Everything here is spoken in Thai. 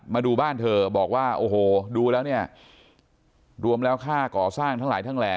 มาดูบ้านเธอบอกว่าโอ้โหดูแล้วเนี่ยรวมแล้วค่าก่อสร้างทั้งหลายทั้งแหล่